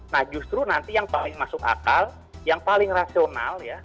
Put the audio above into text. nah justru nanti yang paling masuk akal yang paling rasional ya